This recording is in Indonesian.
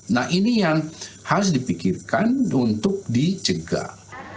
nah ini yang harus dipikirkan untuk dicegah